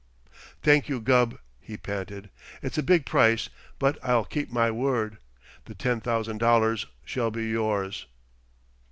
"Thank you, Gubb," he panted. "It's a big price, but I'll keep my word. The ten thousand dollars shall be yours."